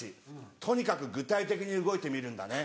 「とにかく具体的に動いてみるんだね。